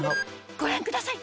ご覧ください